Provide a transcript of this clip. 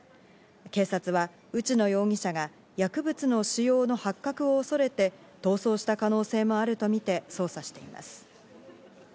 警察は内野容疑者が薬物の使用の発覚を恐れて逃走した可能性もあるとみて捜査しています。